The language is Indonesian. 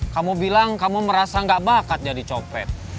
kamu bilang kamu merasa gak bakat jadi copet